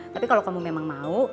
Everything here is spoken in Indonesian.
tapi kalau kamu memang mau